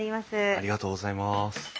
ありがとうございます。